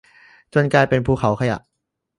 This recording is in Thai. จนกลายเป็นภูเขาขยะ